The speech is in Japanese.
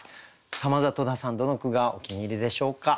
まずは戸田さんどの句がお気に入りでしょうか？